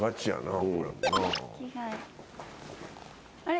あれ？